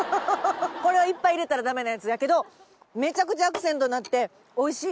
これはいっぱい入れたらダメなやつやけどめちゃくちゃアクセントになっておいしい！